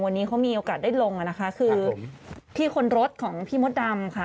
วันนี้เขามีโอกาสได้ลงนะคะคือที่คนรถของพี่มดดำค่ะ